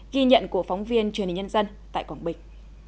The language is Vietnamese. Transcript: ghi nhận của phóng viên truyền hình nhân dân tại quảng bình